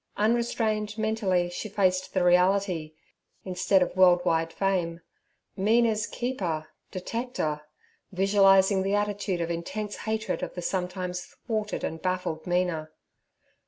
Unrestrained mentally she faced the reality—instead of world wide fame—'Mina's keeper' 'detecter' visualizing the attitude of intense hatred of the sometimes thwarted and baffled Mina.